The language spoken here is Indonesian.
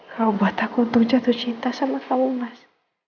kamu buat aku untuk jatuh cinta sama kamu mas